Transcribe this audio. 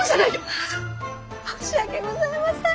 ああ申し訳ございません！